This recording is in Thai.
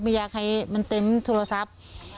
อยากให้มันเต็มโทรศัพท์